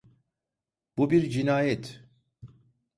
Bu bir cinayet.